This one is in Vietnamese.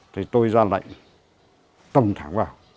thì tôi ra lệnh tầm thẳng vào